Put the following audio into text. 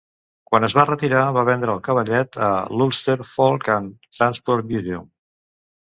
Quan es va retirar, va vendre el cavallet a l'Ulster Folk and Transport Museum.